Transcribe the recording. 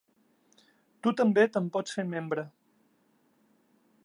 Tu també te'n pots fer membre.